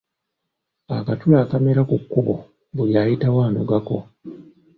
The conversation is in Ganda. Akatula akaamera ku kkubo buli ayitawo anogako.